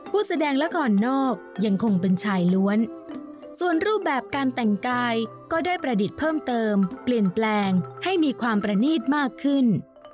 แสดงละครนอกยังคงเป็นชายล้วนส่วนรูปแบบการแต่งกายก็ได้ประดิษฐ์เพิ่มเติมเปลี่ยนแปลงให้มีความประนีตมากขึ้น